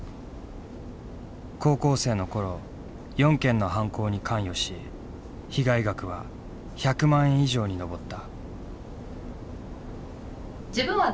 高校生の頃４件の犯行に関与し被害額は１００万円以上に上った。